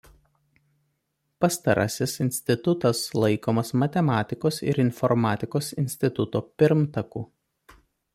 Pastarasis institutas laikomas Matematikos ir informatikos instituto pirmtaku.